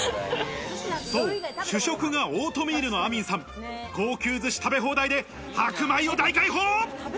主食がオートミールのアミンさん、高級寿司食べ放題で、白米を大解放！